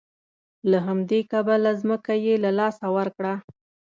له همدې کبله ځمکه یې له لاسه ورکړه.